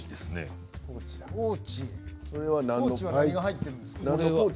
何が入ってるんですか。